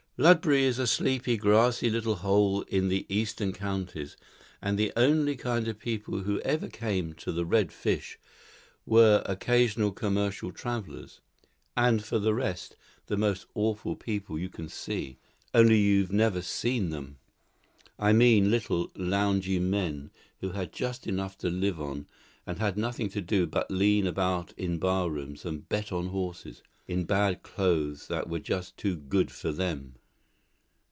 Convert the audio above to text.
"Ludbury is a sleepy, grassy little hole in the Eastern Counties, and the only kind of people who ever came to the 'Red Fish' were occasional commercial travellers, and for the rest, the most awful people you can see, only you've never seen them. I mean little, loungy men, who had just enough to live on and had nothing to do but lean about in bar rooms and bet on horses, in bad clothes that were just too good for them.